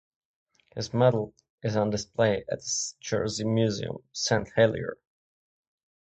His medal is on display at the Jersey Museum, Saint Helier.